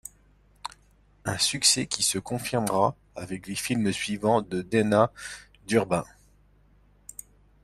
Un succès qui se confirmera avec les films suivants de Deanna Durbin.